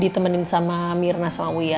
ditemenin sama mirna sama uya